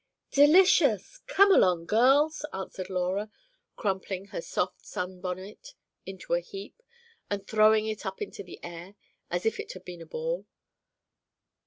"Delicious! Come along, girls," answered Laura, crumpling her soft sun bonnet into a heap, and throwing it up into the air, as if it had been a ball.